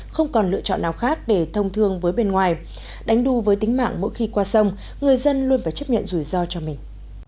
không còn lựa chọn nào khác để thông thương với bên ngoài đánh đu với tính mạng mỗi khi qua sông người dân luôn phải chấp nhận rủi ro cho mình